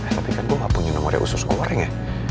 tapi kan gue gak punya nomornya usus goreng ya